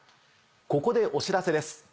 ここでお知らせです。